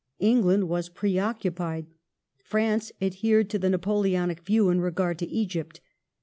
England was pre occupied. France adhered to the Napoleonic view in regard to Egypt.